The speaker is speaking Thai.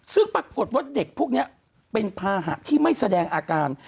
ซึ่งปรากฏว่าเด็กพวกนี้เป็นภาหะที่ไม่แสดงอาการ